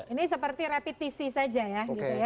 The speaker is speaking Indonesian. ini seperti repetisi saja ya